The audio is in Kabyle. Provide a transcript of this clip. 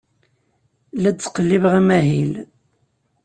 La d-ttqellibeɣ amahil.